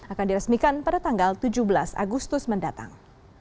akan diresmikan pada tanggal tujuh belas agustus mendatang